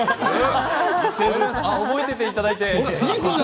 笑い声覚えていていただいて。